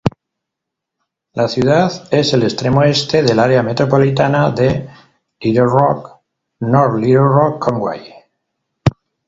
La ciudad es el extremo este del área metropolitana de Little Rock–North Little Rock–Conway.